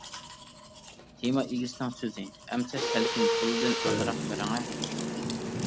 تېما ئىگىسىنىڭ سۆزى : ئەمسە سەلكىن پۇلىدىن ئازراق بېرىڭە!